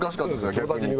逆に。